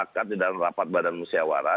kita bersepakat dalam rapat badan musyawarah